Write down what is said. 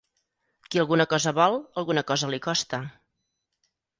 Qui alguna cosa vol, alguna cosa li costa.